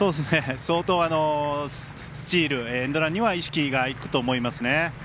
相当、スチールエンドランには意識が行くと思いますね。